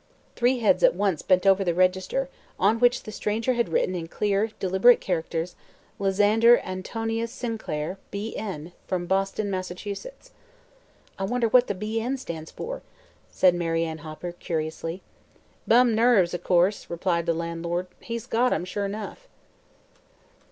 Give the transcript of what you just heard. Three heads at once bent over the register, on which the stranger had I written in clear, delicate characters: "Lysander Antonius Sinclair, B. N., Boston, Mass." "I wonder what the 'B. N.' stands for," said Mary Ann Hopper, curiously. "Bum Nerves, o' course," replied the landlord. "He's got 'em, sure enough."